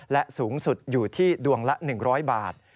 และสูงสุดอยู่ที่ดวงละ๑๐๐บาท